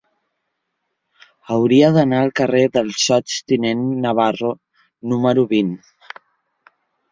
Hauria d'anar al carrer del Sots tinent Navarro número vint.